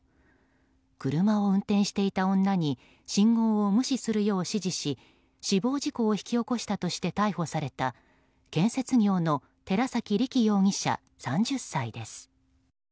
車を運転していた女に信号を無視するよう指示し死亡事故を引き起こしたとして逮捕された建設業の寺崎太尊容疑者３０歳です。